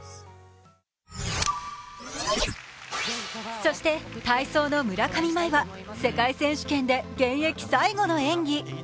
そして体操の村上茉愛は世界選手権で現役最後の演技。